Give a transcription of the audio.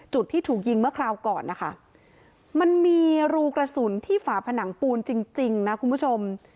จุดที่ถูกยิงเมื่อคราวก่อนนะคะมันมีรูกระสุนที่ฝาผนังปูนจริงนะคุณผู้ชม